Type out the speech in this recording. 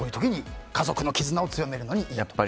家族の絆を強めるのにいいと。